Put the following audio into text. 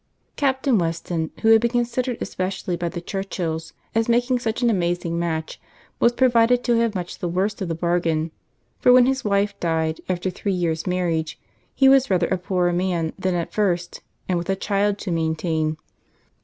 Captain Weston, who had been considered, especially by the Churchills, as making such an amazing match, was proved to have much the worst of the bargain; for when his wife died, after a three years' marriage, he was rather a poorer man than at first, and with a child to maintain.